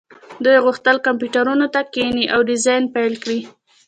دوی غوښتل کمپیوټرونو ته کښیني او ډیزاین پیل کړي